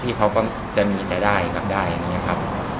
ที่เขาก็จะมีแต่ได้กลับได้อย่างนี้ครับ